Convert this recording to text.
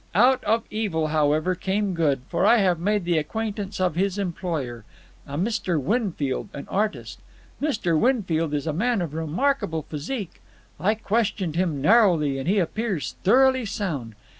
Out of evil, however, came good, for I have made the acquaintance of his employer, a Mr. Winfield, an artist. Mr. Winfield is a man of remarkable physique. I questioned him narrowly, and he appears thoroughly sound.